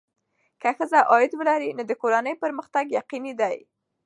که ښځه عاید ولري، نو د کورنۍ پرمختګ یقیني دی.